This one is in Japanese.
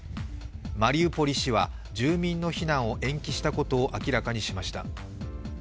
マリウポリ市は住民の避難を延期したことを明らかにしました。